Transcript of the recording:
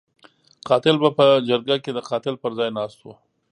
قاتل به په جرګه کې د قاتل پر ځای ناست وو.